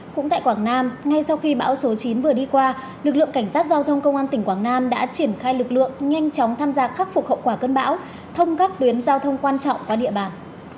cũng tại quảng nam ngay sau khi bão số chín vừa đi qua lực lượng cảnh sát giao thông công an tỉnh quảng nam đã triển khai lực lượng nhanh chóng tham gia khắc phục hậu quả cơn bão thông các tuyến giao thông quan trọng qua địa bàn